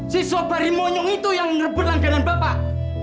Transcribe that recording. si sobari monyong itu yang merebut langganan bapak